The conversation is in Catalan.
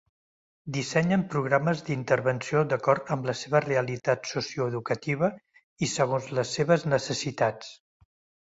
Dissenyen programes d'intervenció d'acord amb la seva realitat socioeducativa i segons les seves necessitats.